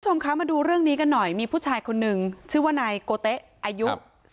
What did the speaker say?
คุณผู้ชมคะมาดูเรื่องนี้กันหน่อยมีผู้ชายคนนึงชื่อว่านายโกเต๊ะอายุ